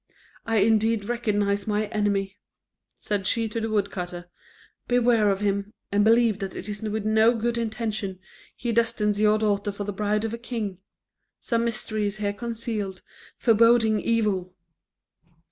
I indeed recognise my enemy," said she to the woodcutter; "beware of him, and believe that it is with no good intention he destines your daughter for the bride of a king. Some mystery is here concealed, foreboding evil."